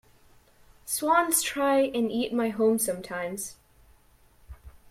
Swans try and eat my home sometimes.